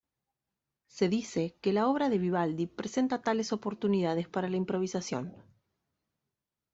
Se dice que la obra de Vivaldi presenta tales oportunidades para la improvisación.